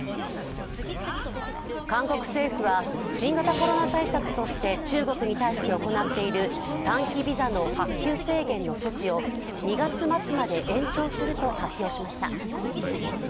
韓国政府は、新型コロナ対策として中国に対して行っている短期ビザの発給制限の措置を２月末まで延長すると発表しました。